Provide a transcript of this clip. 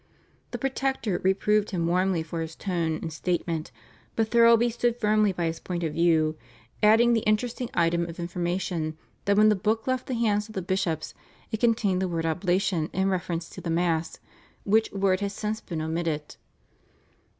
The Protector reproved him warmly for his tone and statement, but Thirlby stood firmly by his point of view, adding the interesting item of information that when the Book left the hands of the bishops it contained the word "oblation" in reference to the Mass, which word had since been omitted.